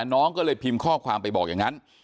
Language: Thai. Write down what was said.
น้องก็เลยพิมพ์ข้อความไปบอกอย่างนั้น